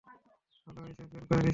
ভালো হইছে, ব্যান করে দিছে।